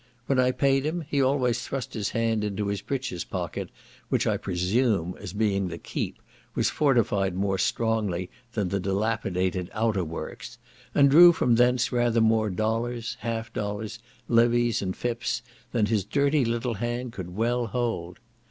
When I paid him, he always thrust his hand into his breaches pocket, which I presume, as being the keep, was fortified more strongly than the dilapidated outworks, and drew from thence rather more dollars, half dollars, levies, and fips, than his dirty little hand could well hold.